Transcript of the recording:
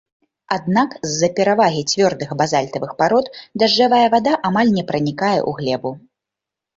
Аднак з-за перавагі цвёрдых базальтавых парод дажджавая вада амаль не пранікае ў глебу.